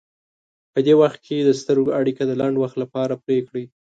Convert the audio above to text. په دې وخت کې د سترګو اړیکه د لنډ وخت لپاره پرې کړئ.